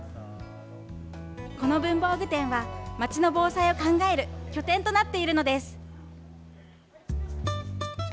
この文房具店は、街の防災を考える拠点となっているのです。